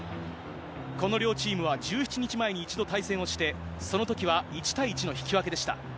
この両チームは１７日前に１度対戦をして、そのときは１対１の引き分けでした。